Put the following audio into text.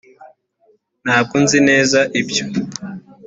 ntabwo nzi neza ibyo